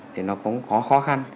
thì nó cũng có khó khăn